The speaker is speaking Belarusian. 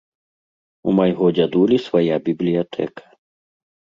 У майго дзядулі свая бібліятэка.